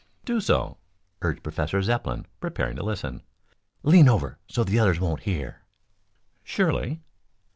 "Do so," urged Professor Zepplin, preparing to listen. "Lean over so the others won't hear." "Surely."